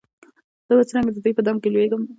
زه به څرنګه د دوی په دام کي لوېږم